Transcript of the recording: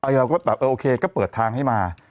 เราก็แบบเออโอเคก็เปิดทางให้มา